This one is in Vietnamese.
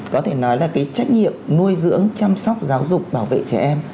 có thể nói là cái trách nhiệm nuôi dưỡng chăm sóc giáo dục bảo vệ trẻ em